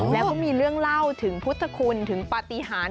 แล้วก็มีเรื่องเล่าถึงพุทธคุณถึงปฏิหาร